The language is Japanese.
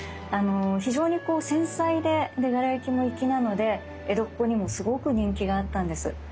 非常に繊細で柄行きも粋なので江戸っ子にもすごく人気があったんです。